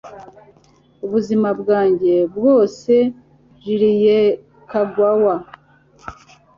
ubuzima bwanjye bwoseJulie Kagawa